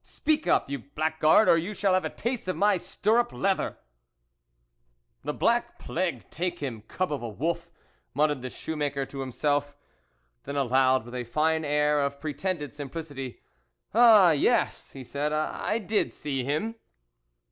Speak up, you blackguard, or you shall have a taste of my stirrup leather !"" The black plague take him, cub of a wolf !" muttered the shoe maker to him self. Then, aloud, with a fine air of pretended simplicity, " Ah, yes !" he said, " I did see him."